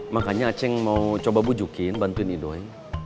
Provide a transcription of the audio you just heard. makanya aceh mau coba bujukin bantuin ido ya